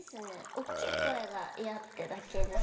大っきい声が嫌ってだけです。